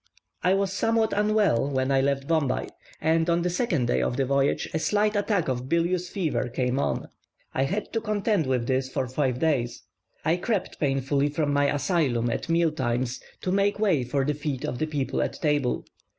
I was somewhat unwell when I left Bombay, and on the second day of the voyage a slight attack of bilious fever came on. I had to contend with this for five days. I crept painfully from my asylum at meal times to make way for the feet of the people at table.